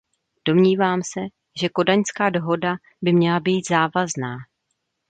Domnívám se, že Kodaňská dohoda by měla být závazná.